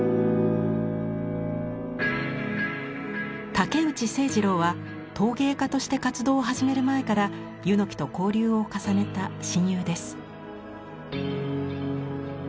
武内晴二郎は陶芸家として活動を始める前から柚木と交流を重ねた親友です。